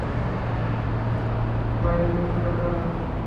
বাইরের লোকগুলো কারা?